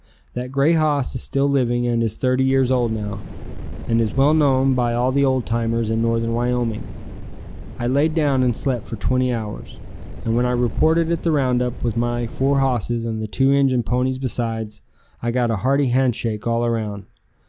That grey hoss is still living and is 30 years old now, and is well known by all the old timers in northern Wyoming. I laid down and slept for twenty hours, and when I reported at the roundup with my four hosses and the two Injun ponies besides, I got a hearty handshake all around.